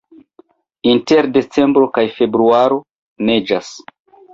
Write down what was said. Inter decembro kaj februaro neĝas.